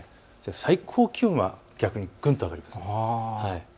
最高気温は逆にぐんと上がります。